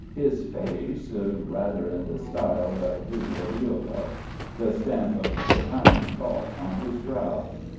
His face ... rather in the style of Dobroliubov the stamp of profound thought on his brow.